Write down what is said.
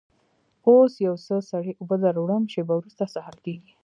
اوس یو څه سړې اوبه در وړم، شېبه وروسته سهار کېږي.